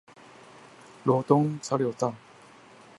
羅東交流道